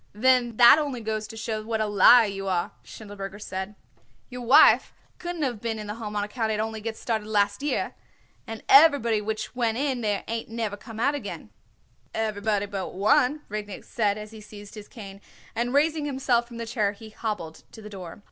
"Then that only goes to show what a liar you are," Schindelberger said. "Your wife couldn't of been in the Home on account it only gets started last year, and everybody which went in there ain't never come out yet." "Everybody but one," Rudnik said as he seized his cane, and raising himself from the chair he hobbled to the door.